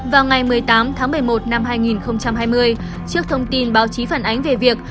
vào ngày một mươi tám tháng một mươi một năm hai nghìn hai mươi trước thông tin báo chí phản ánh về việc